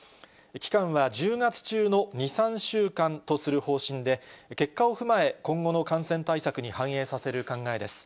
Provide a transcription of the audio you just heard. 期間は１０月中の２、３週間とする方針で、結果を踏まえ、今後の感染対策に反映させる考えです。